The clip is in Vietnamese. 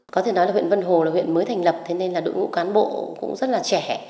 có thể nói là huyện vân hồ là huyện mới thành lập thế nên là đội ngũ cán bộ cũng rất là trẻ